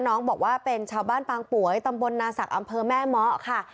น้องบอกว่าเป็นชาวบ้านปางป่วยตำบลนาศักดิ์อำเภอแม่เมาะค่ะ